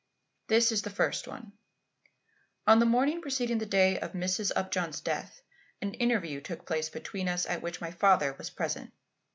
This is the first one: On the morning preceding the day of Mrs. Upjohn's death, an interview took place between us at which my father was present.